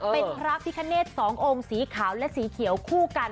เป็นพระพิคเนธ๒องค์สีขาวและสีเขียวคู่กัน